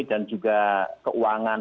dan juga keuangan